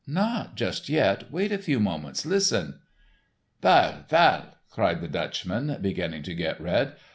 "Not just yet, wait a few moments. Listen." "Vail, vail," cried the Dutchman, beginning to get red.